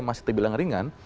masih terbilang ringan